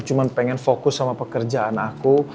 cuma pengen fokus sama pekerjaan aku